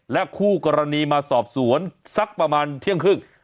คู่กรณีมาสอบสวนสักประมาณเที่ยงครึ่ง